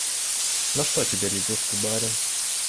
На что тебе лягушки, барин?